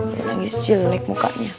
udah nangis jelek mukanya